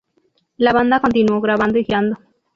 La banda continuó grabando y girando.